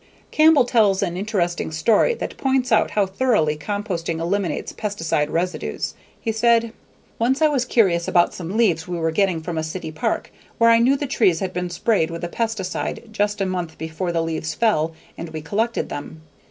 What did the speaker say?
Campbell tells an interesting story that points out how thoroughly composting eliminates pesticide residues. He said, "Once I was curious about some leaves we were getting from a city park where I knew the trees had been sprayed with a pesticide just about a month before the leaves fell and we collected them.